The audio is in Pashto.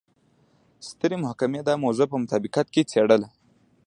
سترې محکمې دا موضوع په مطابقت کې څېړله.